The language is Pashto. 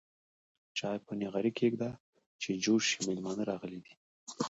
چاي په نغرې کيده چې جوش شي ميلمانه راغلي دي.